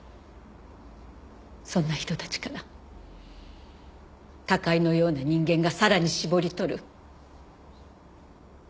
そんな人たちから高井のような人間がさらに搾り取る。